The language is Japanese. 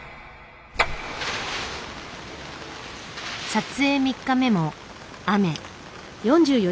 撮影３日目も雨。